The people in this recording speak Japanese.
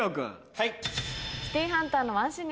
はい。